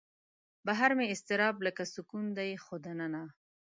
بهر مې اضطراب لکه سکون دی خو دننه